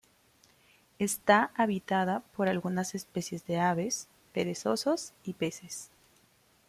Está habitada por algunas especies de aves, perezosos y peces.